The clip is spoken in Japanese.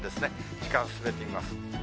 時間進めてみます。